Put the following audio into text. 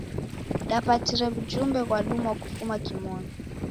Dapatire w'ujumbe ghwadumwa kufuma kimonu.